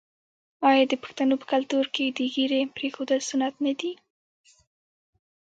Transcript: آیا د پښتنو په کلتور کې د ږیرې پریښودل سنت نه دي؟